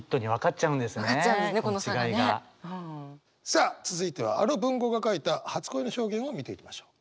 さあ続いてはあの文豪が書いた初恋の表現を見ていきましょう。